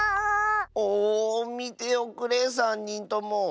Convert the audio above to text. おおみておくれさんにんとも。